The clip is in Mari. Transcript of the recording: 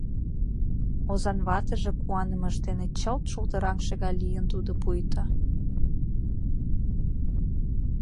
Озан ватыже куанымыж дене чылт шулдыраҥше гай лийын тудо пуйто.